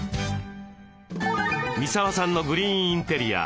三沢さんのグリーンインテリア。